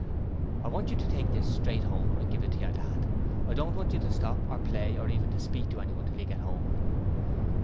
'I want you to take this straight home and give it to your dad. I don't want you to stop to play or even to speak to anyone till you get home.'